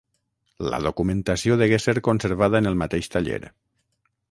La documentació degué ser conservada en el mateix taller.